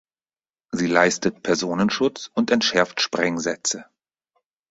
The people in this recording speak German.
Sie leistet Personenschutz und entschärft Sprengsätze.